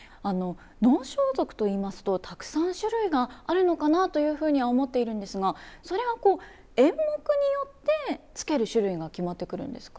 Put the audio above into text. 能装束といいますとたくさん種類があるのかなというふうには思っているんですがそれは演目によって着ける種類が決まってくるんですか？